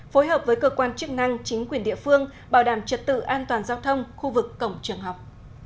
phối hợp với cơ quan chức năng chính quyền địa phương bảo đảm trật tự an toàn giao thông khu vực cổng trường học